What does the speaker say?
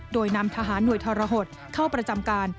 โดยนำทหารหน่วยทรหดเข้าประจำการ